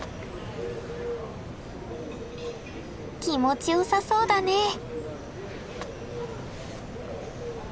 気持ちよさそうだね！